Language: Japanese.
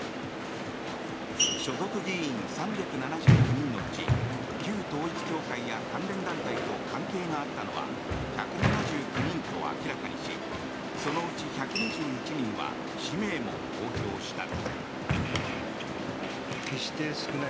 所属議員３７９人のうち旧統一教会や関連団体と関係があったのは１７９人と明らかにしそのうち１２１人は氏名も公表した。